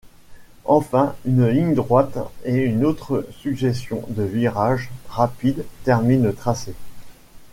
Enfin, une ligne droite et une autre succession de virages rapides terminent le tracé.